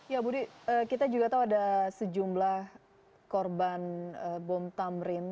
ya budi kita juga tahu ada sejumlah korban bom tamrin